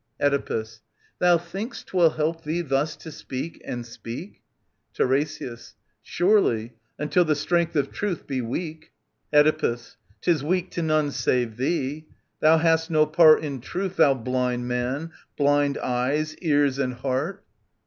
Oedipus. Thou think'st 'twill help thee, thus to speak and speak ? TiRESIAS. Surely, until the strength of Truth be weak. Oedipus. *Tis weak to none save thee. Thou hast no part In truth, thou blind man, blind eyes, ears and heart.